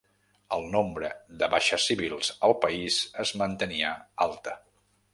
El nombre de baixes civils al país es mantenia alta.